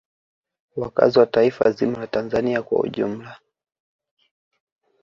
Wakazi wa taifa zima la Tanzania kwa ujumla